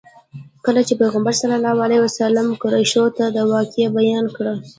کله چې پیغمبر صلی الله علیه وسلم قریشو ته دا واقعه بیان کړه.